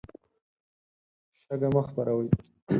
شګه مه خپروئ.